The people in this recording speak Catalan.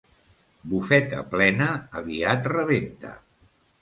Bufeta plena aviat rebenta.